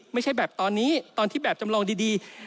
ไม่ใช่แบบตอนนี้ตอนที่แบบจำลองดี